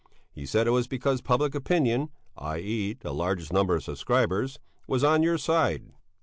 He said it was because public opinion, i.e. the largest number of subscribers, was on your side.